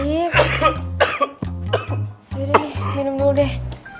yaudah minum dulu deh